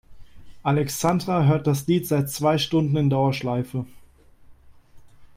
Alexandra hört das Lied seit zwei Stunden in Dauerschleife.